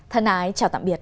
thân ái chào tạm biệt